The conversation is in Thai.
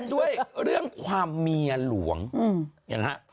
ด้วยเรื่องความเมียหลวง